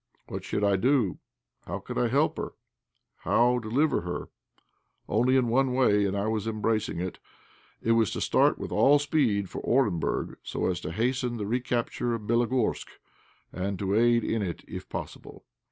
What should I do? How could I help her? How deliver her? Only in one way, and I embraced it. It was to start with all speed for Orenburg, so as to hasten the recapture of Bélogorsk, and to aid in it if possible.